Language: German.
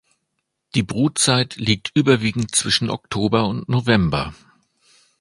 Die Brutzeit liegt überwiegend zwischen Oktober und November.